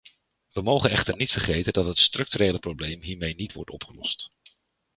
We mogen echter niet vergeten dat het structurele probleem hiermee niet wordt opgelost.